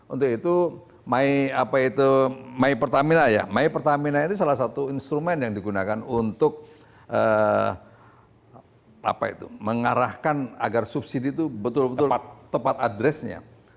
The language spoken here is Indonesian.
untuk itu my pertamina ya my pertamina ini salah satu instrumen yang digunakan untuk mengarahkan agar subsidi itu betul betul tepat addresnya